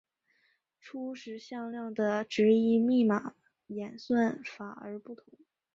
初始向量的值依密码演算法而不同。